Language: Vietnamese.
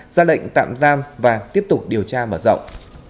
ra lệnh tạm giam và tiếp tục điều tra mở rộng